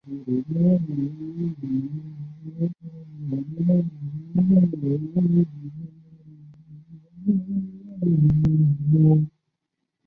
剧中并没有提及柯博文的死亡或是赛博创星的毁灭。